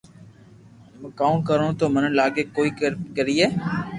ھمي ڪاو ڪرو تو مني لاگي ڪوئي ڪريي